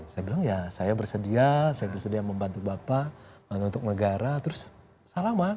saya bilang ya saya bersedia saya bersedia membantu bapak untuk negara terus salaman